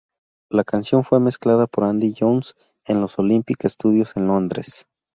La canción fue mezclada por Andy Johns en los Olympic Studios en Londres.